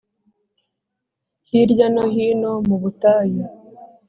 hirya no hino mu butayu!